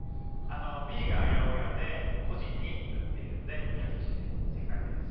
Ｂが八百屋で個人に売っているのでＢ２Ｃで正解です。